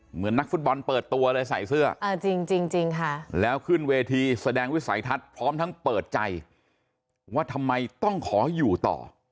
เหมือนนักฟุตบอลเปิดตัวเลยใส่เสื้อจริงค่ะแล้วขึ้นเวทีแสดงวิสัยทัศน์พร้อมทั้งเปิดใจว่าทำไมต้องขออยู่ต่อ